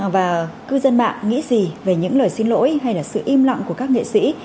và cư dân mạng nghĩ gì về những lời xin lỗi hay là sự im lặng của các nghệ sĩ